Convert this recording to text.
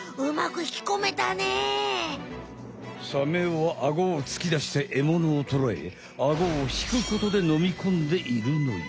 サメはアゴを突き出してエモノをとらえアゴを引くことで飲み込んでいるのよ。